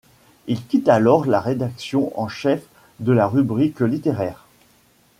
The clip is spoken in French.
Il quitte alors la rédaction en chef de la rubrique littéraire.